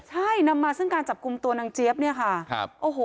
ใช่นำมาซึ่งการจับกลุ่มตัวนางเจี๊ยบเนี่ยค่ะครับโอ้โห